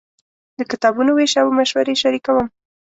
د کتابونو وېش او مشورې شریکوم.